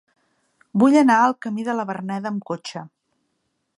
Vull anar al camí de la Verneda amb cotxe.